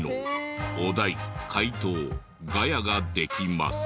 「お題・回答・ガヤができます」